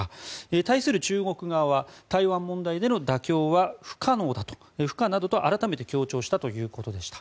対する中国側は台湾問題での妥協は不可能などと改めて強調したということでした。